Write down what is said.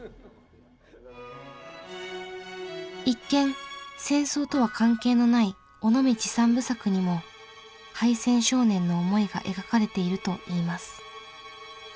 一見戦争とは関係のない「尾道三部作」にも敗戦少年の思いが描かれているといいます。